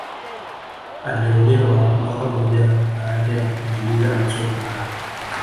Aliolewa mwaka mmoja baada ya kumaliza masomo hayo